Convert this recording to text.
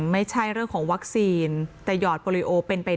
ไม่ใช่เรื่องของวัคซีนแต่หยอดโปรลิโอเป็นไปได้